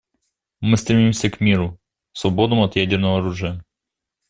Мы стремимся к миру, свободному от ядерного оружия.